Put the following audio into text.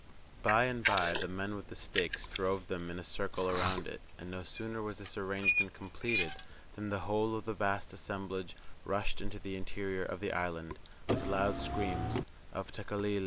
By and by the men with the stakes drove them in a circle around it, and no sooner was this arrangement completed, than the whole of the vast assemblage rushed into the interior of the island, with loud screams of "Tekeli li!